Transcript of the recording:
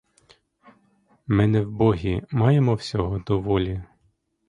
Ми не вбогі, маємо всього доволі.